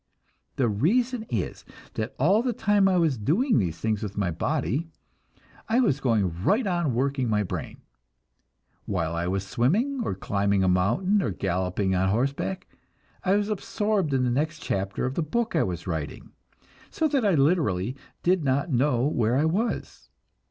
The reason is that all the time I was doing these things with my body, I was going right on working my brain. While I was swimming or climbing a mountain or galloping on horseback, I was absorbed in the next chapter of the book I was writing, so that I literally did not know where I was.